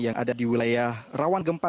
yang ada di wilayah rawan gempa